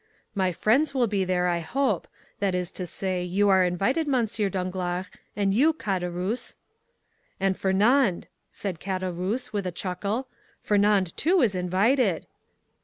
My friends will be there, I hope; that is to say, you are invited, M. Danglars, and you, Caderousse." "And Fernand," said Caderousse with a chuckle; "Fernand, too, is invited!"